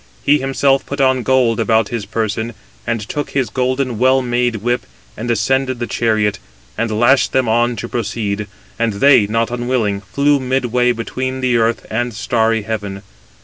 He himself put on gold about his person, and took his golden well made whip, and ascended the chariot; and lashed them on to proceed, and they, not unwilling, flew midway between the earth and starry heaven.